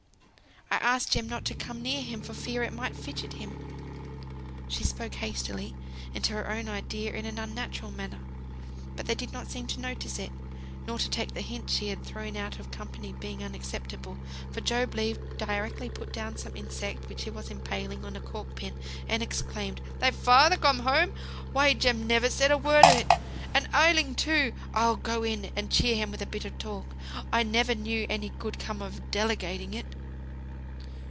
I asked Jem not to come near him for fear it might fidget him." She spoke hastily, and (to her own idea) in an unnatural manner. But they did not seem to notice it, nor to take the hint she had thrown out of company being unacceptable; for Job Legh directly put down some insect, which he was impaling on a corking pin, and exclaimed, "Thy father come home! Why, Jem never said a word of it! And ailing too! I'll go in, and cheer him with a bit of talk. I ne'er knew any good come of delegating it."